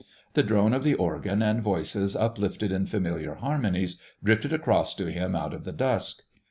The drone of the organ and voices uplifted in familiar harmonies drifted across to him out of the dusk.